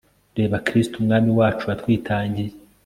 reba kristu umwami wacu watwitangiye